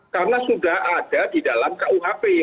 karena sudah ada di dalam kuhp